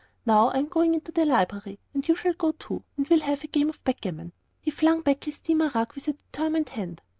Now, I'm going into the library, and you shall go too, and we'll have a game of backgammon." He flung back his steamer rug with a determined hand.